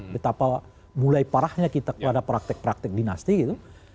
betapa mulai parahnya kita kepada praktek praktek dinasti gitu